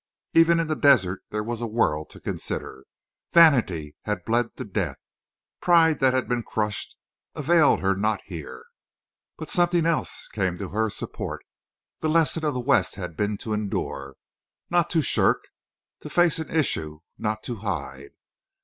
Even in the desert there was a world to consider. Vanity that had bled to death, pride that had been crushed, availed her not here. But something else came to her support. The lesson of the West had been to endure, not to shirk—to face an issue, not to hide.